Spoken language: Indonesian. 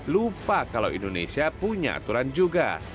lupa kalau indonesia punya aturan juga